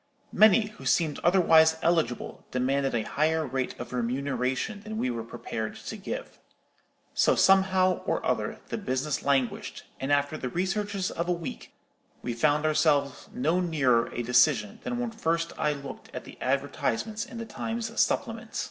Many, who seemed otherwise eligible, demanded a higher rate of remuneration than we were prepared to give. So, somehow or other, the business languished, and after the researches of a week we found ourselves no nearer a decision than when first I looked at the advertisements in the Times supplement.